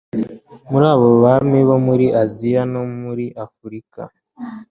Muri abo bami bo muri Aziya no muri Afurika